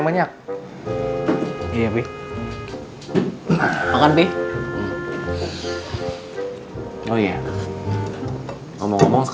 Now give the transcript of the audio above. miner neterjala congkok